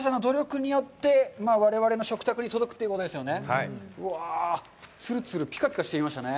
皆さんの努力によって我々の食卓に届くということですね。